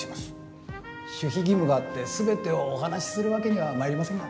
守秘義務があって全てをお話しするわけには参りませんが。